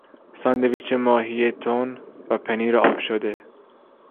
ساندویچ ماهی تون و پنیر آب شده